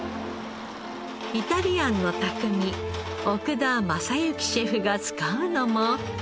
イタリアンの匠奥田政行シェフが使うのも。